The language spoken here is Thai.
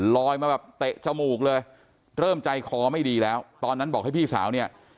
ลอยมาแบบเตะจมูกเลยเริ่มใจคอไม่ดีแล้วตอนนั้นบอกให้พี่สาวเนี่ย